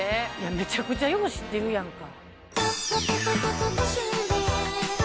めちゃくちゃよう知ってるやんか。